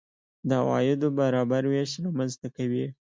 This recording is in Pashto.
د عوایدو برابر وېش رامنځته کوي.